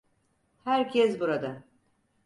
Herkes burada.